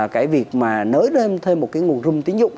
cái việc nới đem thêm một nguồn rung tín dụng